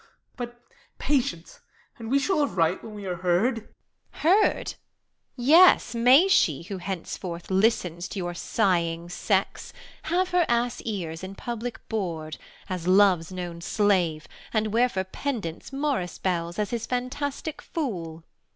But, patience ! and we shall Have right when we are heard. Beat. Heard ? yes, may she, Who henceforth listens to your sighing sex, Have her ass ears in pul)lic bor'd, as love's Known slave, and wear for peiulants, morrice bells. As his fantastic fool.